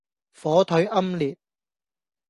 火腿奄列